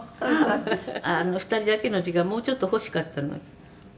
「あの２人だけの時間もうちょっと欲しかったのに」